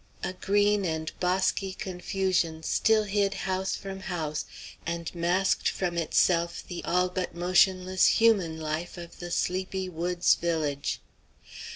A green and bosky confusion still hid house from house and masked from itself the all but motionless human life of the sleepy woods village.